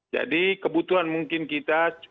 jadi kebutuhan mungkin kita